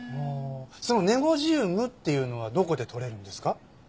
そのネゴジウムっていうのはどこで採れるんですか？